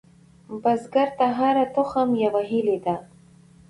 بزګر ته هره تخم یوه هیلې ده